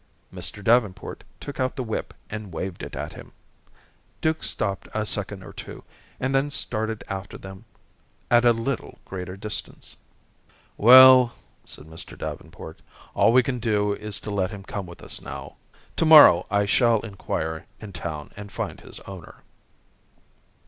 Mr. Davenport took out the whip and waved it at him. Duke stopped a second or two, and then started after them at a little greater distance. "Well," said Mr. Davenport, "all we can do is to let him come with us now. To morrow, I shall inquire in town and find his owner."